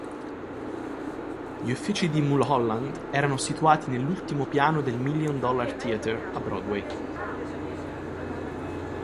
Gli uffici di Mulholland erano situati nell'ultimo piano del Million-Dollar Theatre a Broadway.